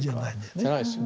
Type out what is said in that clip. じゃないですね。